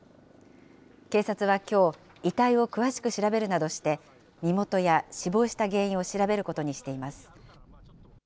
警察はきょう、遺体を詳しく調べるなどして、身元や死亡した原因を調べることにしています。